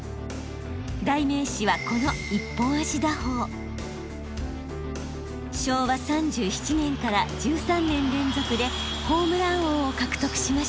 代名詞はこの昭和３７年から１３年連続でホームラン王を獲得しました。